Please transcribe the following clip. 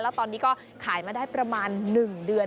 แล้วตอนนี้ก็ขายมาได้ประมาณ๑เดือน